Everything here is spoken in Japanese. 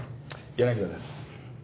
柳田です。